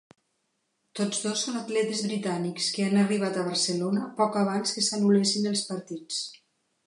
Tots dos són atletes britànics que han arribat a Barcelona poc abans que s'anul·lessin els partits.